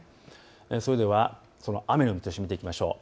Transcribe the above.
それでは雨の見通しを見ていきましょう。